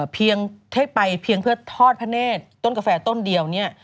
เพียงให้ไปเพียงเพื่อทอดพระเนธต้นกาแฟต้นเดียวเนี่ย